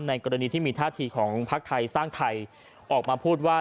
กรณีที่มีท่าทีของพักไทยสร้างไทยออกมาพูดว่า